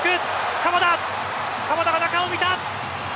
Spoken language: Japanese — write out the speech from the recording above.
鎌田が中を見た。